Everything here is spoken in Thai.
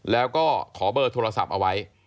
แล้วก็ขอเบอร์โทรศัพท์เอาไว้